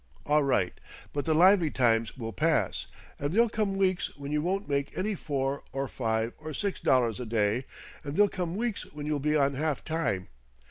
All right. But the lively times will pass, and there'll come weeks when you won't make any four or five or six dollars a day, and there'll come weeks when you'll be on half time.